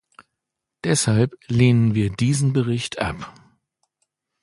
Deshalb lehnen wir diesen Bericht ab!